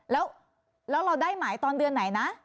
แล้วเราได้หมายตอนเดือนไหนนะ